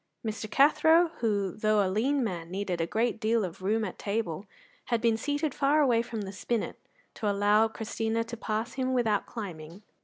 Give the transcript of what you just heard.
Mr. Cathro, who, though a lean man, needed a great deal of room at table, had been seated far away from the spinet, to allow Christina to pass him without climbing.